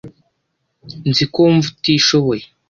Nzi ko wumva utishoboye.